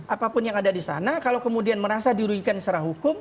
apapun yang ada di sana kalau kemudian merasa dirugikan secara hukum